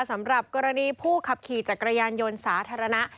สำหรับกรณีผู้ขับขี่จักรยานยนต์สาธารณะ